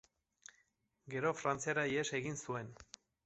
Gero Frantziara ihes egin zuen.